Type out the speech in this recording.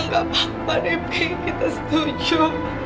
ya gak apa apa debbie kita setuju